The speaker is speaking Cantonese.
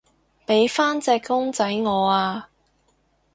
畀返隻公仔我啊